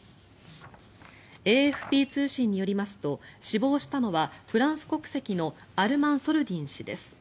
ＡＦＰ通信によりますと死亡したのはフランス国籍のアルマン・ソルディン氏です。